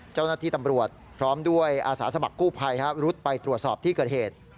เจ้าหน้าที่ตำรวจพร้อมด้วยอาสาสมัครกู้ภัยรุดไปตรวจสอบที่เกิดเหตุ